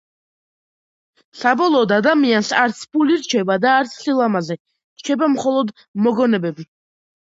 საბოლოოდ ადამიანს არც ფული რჩება და არც სილამაზე რჩება მხოლოდ მოგონებები